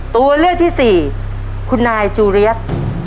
ตัวเลือกที่สี่คุณนายจูเรียส